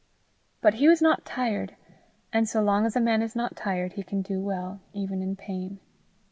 But he was not tired, and so long as a man is not tired, he can do well, even in pain.